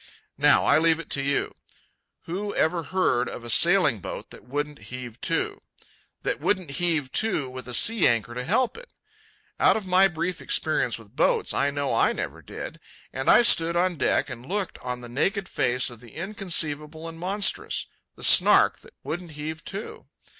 Now I leave it to you. Who ever heard of a sailing boat that wouldn't heave to?—that wouldn't heave to with a sea anchor to help it? Out of my brief experience with boats I know I never did. And I stood on deck and looked on the naked face of the inconceivable and monstrous—the Snark that wouldn't heave to.